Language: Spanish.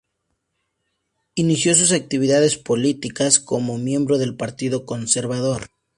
Inició sus actividades políticas como miembro del Partido Conservador.